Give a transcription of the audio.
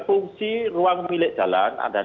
fungsi ruang milik jalan dan